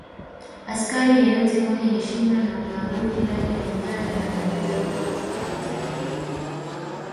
Askari yeyote mwenye heshima na umaarufu ndani ya Uganda anaweza kuwa katika hatari